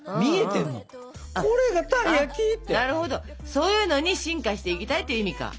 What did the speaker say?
そういうのに進化していきたいっていう意味か。